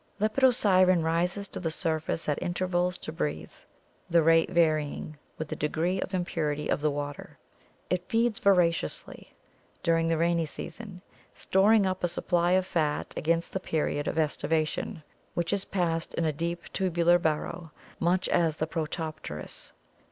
Lepidosiren rises to the surface at intervals to breathe, the rate varying with the degree of impurity of the water. It feeds voraciously during the rainy season, storing up a supply of fat against the period of aestivation, which is passed in a deep tubular burrow, much as with Protopterus.